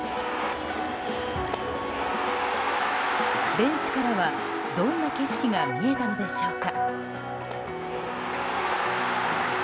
ベンチからは、どんな景色が見えたのでしょうか。